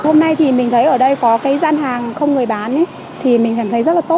hôm nay thì mình thấy ở đây có cái gian hàng không người bán thì mình cảm thấy rất là tốt